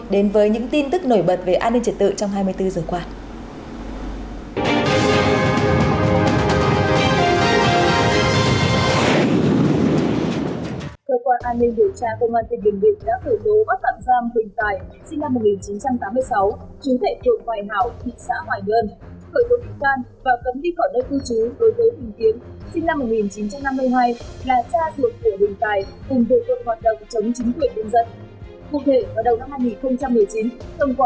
đến với những tin tức nổi bật về an ninh triệt tự trong hai mươi bốn h qua